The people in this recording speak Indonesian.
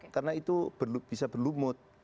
karena itu bisa berlumut